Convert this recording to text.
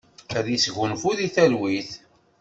Ad isgunfu di talwit!